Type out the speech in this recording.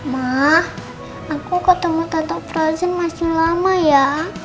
ma aku ketemu tante frozen masih lama ya